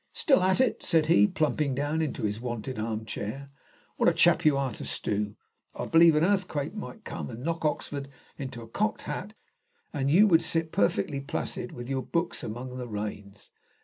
"Still at it!" said he, plumping down into his wonted arm chair. "What a chap you are to stew! I believe an earthquake might come and knock Oxford into a cocked hat, and you would sit perfectly placid with your books among the rains.